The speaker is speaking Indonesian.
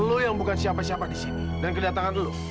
loyang bukan siapa siapa di sini dan kedatangan lo